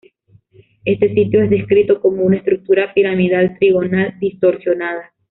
Este sitio es descrito como una estructura ‘piramidal trigonal distorsionada’.